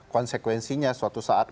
konsekuensinya suatu saat